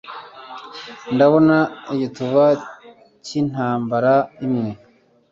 ndabona igituba cyintambara imwe